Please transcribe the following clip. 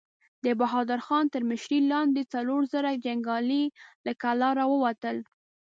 د بهادر خان تر مشرۍ لاندې څلور زره جنګيالي له کلا را ووتل.